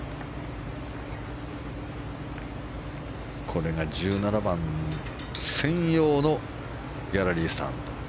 これが１７番専用のギャラリースタンド。